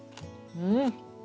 うん。